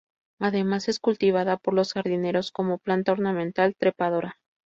Además es cultivada por los jardineros como planta ornamental trepadora.